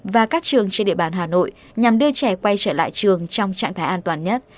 và các trường trên địa bàn hà nội nhằm đưa trẻ quay trở lại trường trong trạng thái an toàn nhất